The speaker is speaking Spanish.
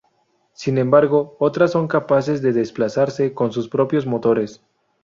Sin embargo otras son capaces de desplazarse con sus propios motores.